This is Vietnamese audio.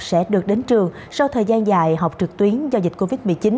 sẽ được đến trường sau thời gian dài học trực tuyến do dịch covid một mươi chín